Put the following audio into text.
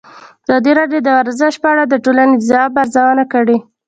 ازادي راډیو د ورزش په اړه د ټولنې د ځواب ارزونه کړې.